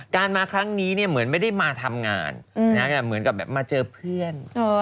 มาครั้งนี้เหมือนไม่ได้มาทำงานเหมือนกับแบบมาเจอเพื่อน